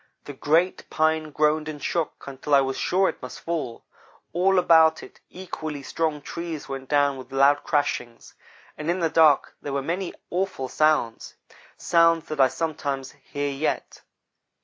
The great pine groaned and shook until I was sure it must fall. All about it, equally strong trees went down with loud crashings, and in the dark there were many awful sounds sounds that I sometimes hear yet.